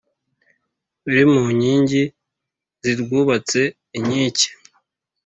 uri mu nkingi zirwubatse inkike